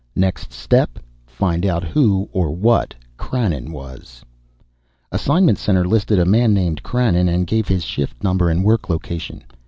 Next step, find out who or what Krannon was. Assignment center listed a man named Krannon, and gave his shift number and work location.